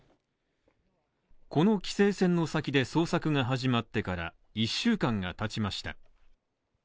この規制線の先で捜索が始まってから１週間が経ちました。